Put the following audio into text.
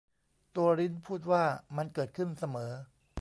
ตัวริ้นพูดว่า มันเกิดขึ้นเสมอ